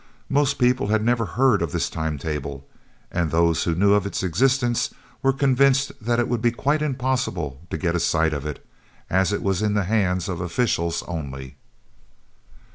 Most people had never heard of this time table, and those who knew of its existence, were convinced that it would be quite impossible to get a sight of it, as it was in the hands of officials only.